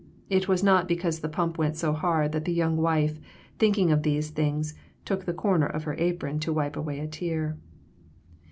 It was not because the pump went so hard that the young wife, thinking of these things, took the corner of her apron to wipe away a tear.